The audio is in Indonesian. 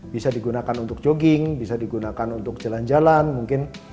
bisa digunakan untuk jogging bisa digunakan untuk jalan jalan mungkin